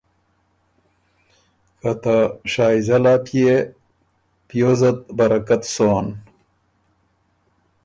که ”ته شائزل ا پيې! پیوزت بَرَکت سون۔